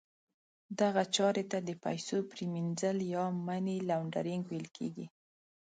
دغه چارې ته د پیسو پریمینځل یا Money Laundering ویل کیږي.